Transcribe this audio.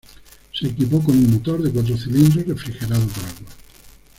Se equipó con un motor de cuatro cilindros refrigerado por agua.